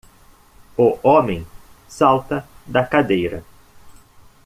O homem salta da cadeira.